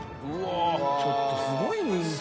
舛叩ちょっとすごい人気。